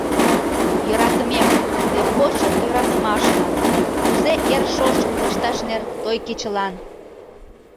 Йӧратымем, тый почылт йӧратымашлан, Кузе эр шошым лышташнер той кечылан.